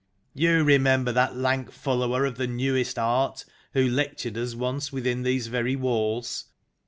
You remember that lank follower of the Newest Art, who lectured to us once within these very walls